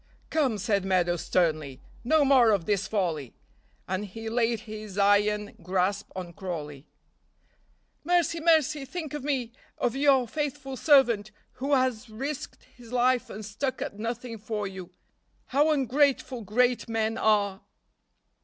"Come," said Meadows sternly, "no more of this folly," and he laid his iron grasp on Crawley. "Mercy! mercy! think of me of your faithful servant, who has risked his life and stuck at nothing for you. How ungrateful great men are!"